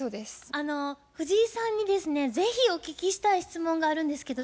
あの藤井さんにですね是非お聞きしたい質問があるんですけど。